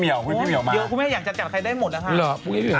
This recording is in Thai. เดี๋ยวคุณแมวน้ำใหญ่อยากจัดจัดใครได้หมดแล้วค่ะ